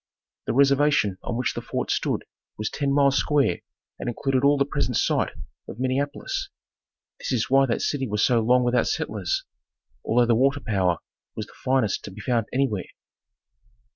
The reservation on which the fort stood was ten miles square and included all the present site of Minneapolis. This is why that city was so long without settlers, although the water power was the finest to be found anywhere.